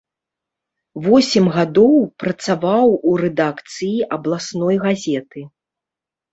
Восем гадоў працаваў у рэдакцыі абласной газеты.